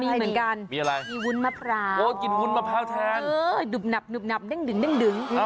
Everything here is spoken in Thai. มีเหมือนกันมีอะไรโอ๊ยกินวุ้นมะพร้าวแทนดุบนับดึง